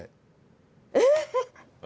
えっ！